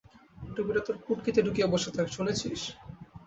টুপিটা তোর পুটকিতে ঢুকিয়ে বসে থাক, শুনেছিস?